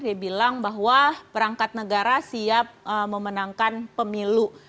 dia bilang bahwa perangkat negara siap memenangkan pemilu